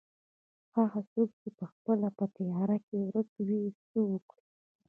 هغه څوک چې پخپله په تيارو کې ورکه وي څه وکړي.